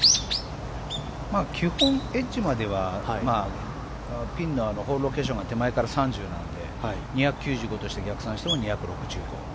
基本、エッジまではピンのホールロケーションが手前から３０なので２９５として逆算しても２６５。